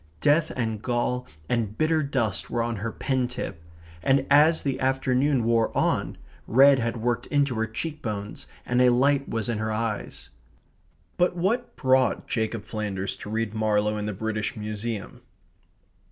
Death and gall and bitter dust were on her pen tip; and as the afternoon wore on, red had worked into her cheek bones and a light was in her eyes. But what brought Jacob Flanders to read Marlowe in the British Museum?